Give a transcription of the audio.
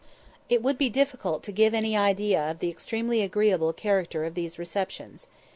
It would be difficult to give any idea of the extremely agreeable character of these receptions.